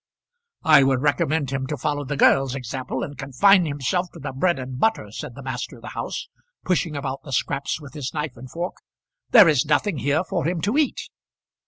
"I would recommend him to follow the girls' example, and confine himself to the bread and butter," said the master of the house, pushing about the scraps with his knife and fork. "There is nothing here for him to eat."